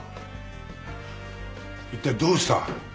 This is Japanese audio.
一体どうした？